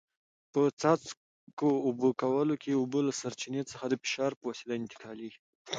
په څاڅکو اوبه کولو کې اوبه له سرچینې څخه د فشار په وسیله انتقالېږي.